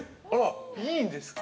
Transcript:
◆いいんですか。